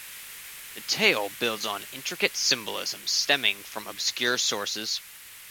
The tale builds on intricate symbolism stemming from obscure sources.